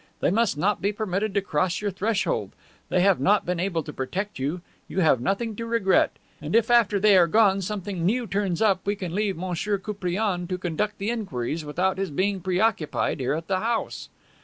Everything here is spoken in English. They must not be permitted to cross your threshold. They have not been able to protect you. You have nothing to regret. And if, after they are gone, something new turns up, we can leave M. Koupriane to conduct the inquiries without his being preoccupied here at the house."